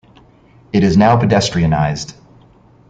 It is now pedestrianised.